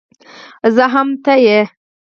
زه هم ته يې